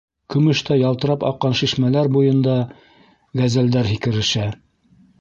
Көмөштәй ялтырап аҡҡан шишмәләр буйында ғәзәлдәр һикерешә.